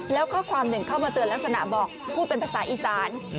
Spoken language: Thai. แล้วข้อความหนึ่งเข้ามาเตือนลักษณะบอกพูดเป็นภาษาอีสาน